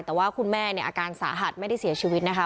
แต่ว่าคุณแม่เนี่ยอาการสาหัสไม่ได้เสียชีวิตนะคะ